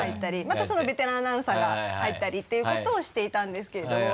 またそのベテランアナウンサーが入ったりっていうことをしていたんですけれども。